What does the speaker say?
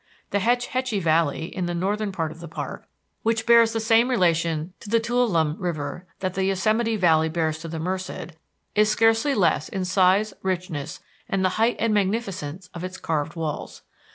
The Hetch Hetchy Valley, in the northern part of the park, which bears the same relation to the Tuolumne River that the Yosemite Valley bears to the Merced, is scarcely less in size, richness, and the height and magnificence of its carved walls.